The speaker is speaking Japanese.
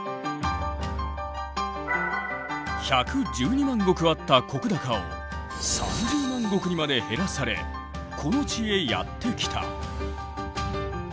１１２万石あった石高を３０万石にまで減らされこの地へやって来た。